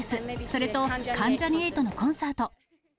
それと関ジャニ∞のコンサート。